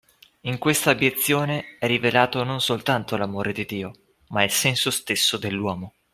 In questa abiezione è rivelato non soltanto l'amore di Dio, ma il senso stesso dell'uomo.